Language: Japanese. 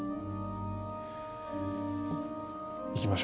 行きましょう。